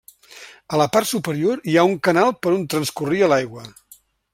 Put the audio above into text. A la part superior hi ha un canal per on transcorria l'aigua.